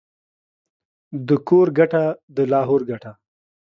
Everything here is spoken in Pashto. د کور گټه ، دلاهور گټه.